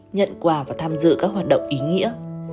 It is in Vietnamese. nhận quà và tham dự các hoạt động ý nghĩa